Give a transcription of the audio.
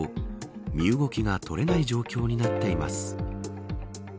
身動きが取れない状況になっています。